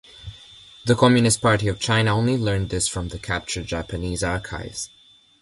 The Communist Party of China only learned of this from captured Japanese archives.